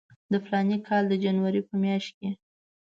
د فلاني کال د جنوري په میاشت کې.